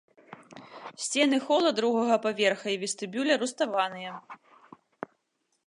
Сцены хола другога паверха і вестыбюля руставаныя.